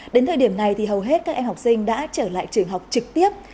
đến thời điểm này thì hầu hết các em học sinh đã trở lại trường học trực tiếp